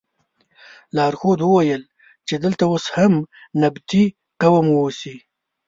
لارښود وویل چې دلته اوس هم نبطي قوم اوسي.